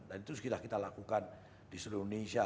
dan itu sudah kita lakukan di seluruh indonesia